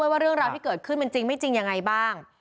ว่าเรื่องราวที่เกิดขึ้นมันจริงไม่จริงยังไงบ้าง